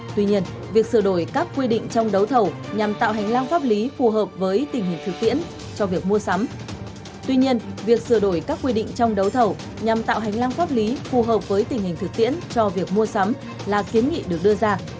tuy nhiên việc sửa đổi các quy định trong đấu thầu nhằm tạo hành lang pháp lý phù hợp với tình hình thực tiễn cho việc mua sắm là kiến nghị được đưa ra